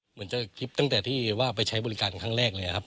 เหมือนจะคลิปตั้งแต่ที่ว่าไปใช้บริการครั้งแรกเลยครับ